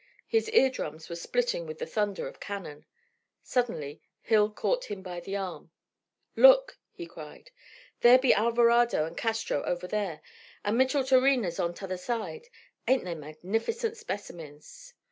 His ear drums were splitting with the thunder of cannon. Suddenly Hill caught him by the arm. "Look!" he cried. "There be Alvarado and Castro over there, and Micheltorena on t' other side. Ain't they magnificent specimens?